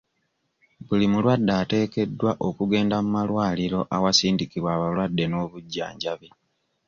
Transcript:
Buli mulwadde ateekeddwa okugenda mu malwaliro awasindikibwa abalwadde n'omujjanjabi.